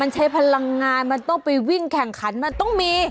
มันใช้พลังงานมันต้องไปวิ่งแข่งขันมันต้องมี